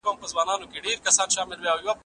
قرآن کریم د ژوند حق روښانه کړی دی.